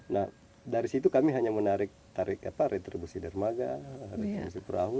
nah dari situ kami hanya menarik tarik retribusi dermaga retribusi perahu